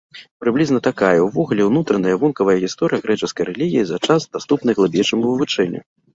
Прыблізна такая, увогуле, унутраная і вонкавая гісторыя грэчаскай рэлігіі за час, даступны глыбейшаму вывучэнню.